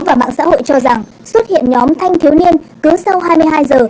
và mạng xã hội cho rằng xuất hiện nhóm thanh thiếu niên cứ sau hai mươi hai giờ